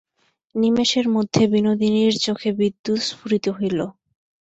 নিমেষের মধ্যে বিনোদিনীর চোখে বিদ্যুৎ স্ফুরিত হইল।